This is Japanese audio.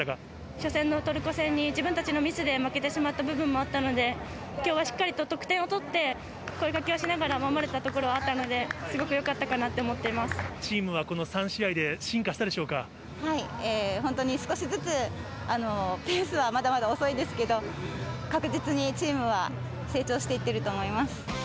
初戦のトルコ戦に、自分たちのミスで負けてしまった部分もあったので、きょうはしっかりと得点を取って、声かけをしながら守れたところはあったので、すごくよかったかなチームはこの３試合で進化し本当に少しずつ、ペースはまだまだ遅いですけど、確実にチームは成長していっていると思います。